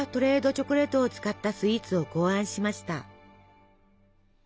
チョコレートを使ったスイーツを考案しました。